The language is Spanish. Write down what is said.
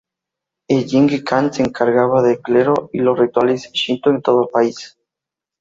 El Jingi-kan se encargaba del clero y los rituales shinto en todo el país.